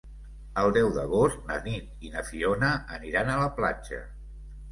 El deu d'agost na Nit i na Fiona aniran a la platja.